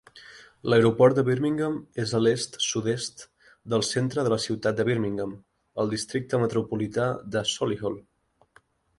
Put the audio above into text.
L'aeroport de Birmingham és a l'est-sud-est del centre de la ciutat de Birmingham, al districte metropolità de Solihull.